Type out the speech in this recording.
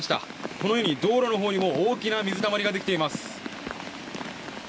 このように道路の方にも大きな水たまりができています。